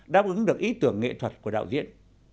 đáp ứng được ý tưởng nghệ thuật của đạo diễn